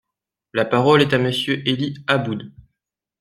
La parole est à Monsieur Élie Aboud.